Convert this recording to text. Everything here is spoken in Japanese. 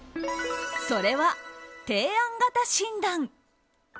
それは、提案型診断。